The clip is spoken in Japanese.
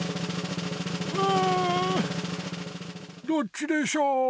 うんどっちでしょう？